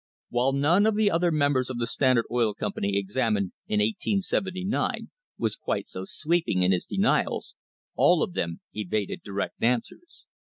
While none of the other members of the Standard Oil Company examined in 1879 was quite so sweeping in his denials, all of them evaded direct answers.